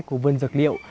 của vườn dược liệu